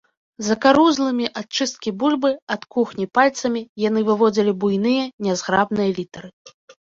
Закарузлымі ад чысткі бульбы, ад кухні пальцамі яны выводзілі буйныя нязграбныя літары.